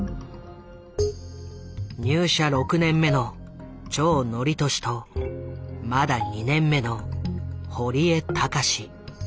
入社６年目の長典俊とまだ２年目の堀江隆。